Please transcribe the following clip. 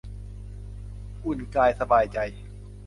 อุ่นกายสบายใจ